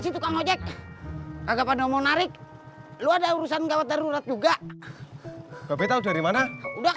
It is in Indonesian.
sih tukang ojek kagak pandang mau narik lu ada urusan gawat darurat juga betul dari mana udah